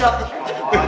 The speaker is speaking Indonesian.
udah gak usah